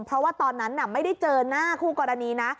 เพราะว่าตอนนั้นไม่ได้เจอหน้าคู่กรณีนะ